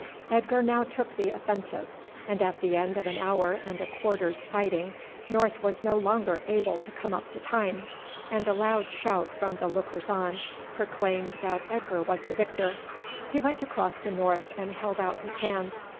Edgar now took the offensive, and at the end of an hour and a quarter's fighting North was no longer able to come up to time, and a loud shout from the lookers on proclaimed that Edgar was the victor. He went across to North and held out his hand.